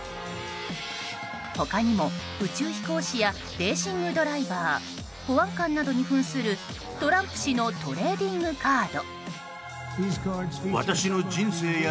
他にも、宇宙飛行士やレーシングドライバー保安官などに扮するトランプ氏のトレーディングカード。